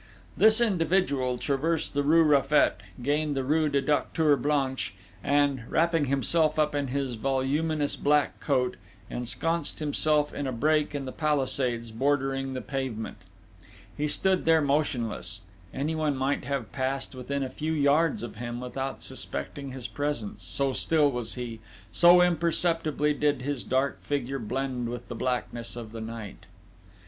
This individual traversed the rue Raffet, gained the rue du Docteur Blanche, and, wrapping himself up in his voluminous black cloak, ensconced himself in a break in the palisades bordering the pavement. He stood there motionless; anyone might have passed within a few yards of him without suspecting his presence, so still was he, so imperceptibly did his dark figure blend with the blackness of the night.